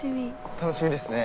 楽しみですね。